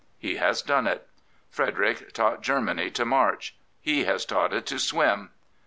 He has done it. F|;ederick taught Germany to march ; he has taught it to swim.